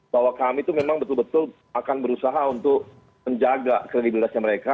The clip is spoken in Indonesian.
bahwa kami itu memang betul betul akan berusaha untuk menjaga kredibilitasnya mereka